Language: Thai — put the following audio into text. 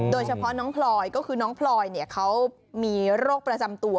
โดยเฉพาะน้องพลอยก็คือน้องพลอยเขามีโรคประจำตัว